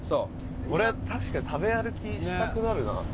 これ確かに食べ歩きしたくなるな。